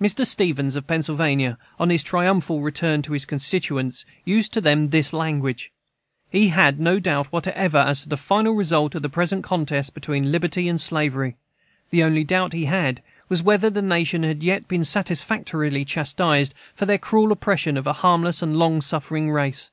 Mr. Stevens, of Pennsylvania, on his triumphal return to his constituents, used to them this language: "He had no doubt whatever as to the final result of the present contest between liberty and slavery. The only doubt he had was whether the nation had yet been satisfactorily chastised for their cruel oppression of a harmless and long suffering race."